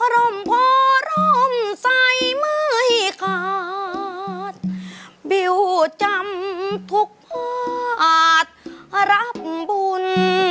ร่มพอร่มใสไม่ขาดบิวจำทุกภาครับบุญ